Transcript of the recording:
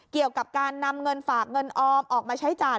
เกี่ยวกับการนำเงินฝากเงินออมออกมาใช้จ่าย